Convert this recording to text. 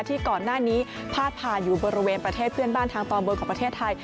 ที่ก่อนหน้านี้พาดผ่านอยู่บริเวณประเทศเพื่อนบ้านทางตอนบนของประเทศไทย